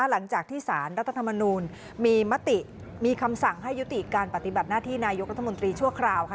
หลังจากที่สารรัฐธรรมนูลมีมติมีคำสั่งให้ยุติการปฏิบัติหน้าที่นายกรัฐมนตรีชั่วคราวค่ะ